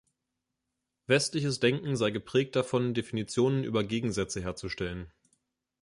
Westliches Denken sei geprägt davon, Definitionen über Gegensätze herzustellen.